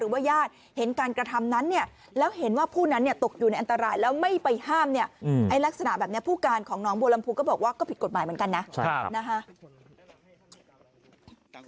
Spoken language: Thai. บังค์บังค์วรรมภูก็บอกว่าก็ผิดกฎหมายเหมือนกันนะน่าค่ะ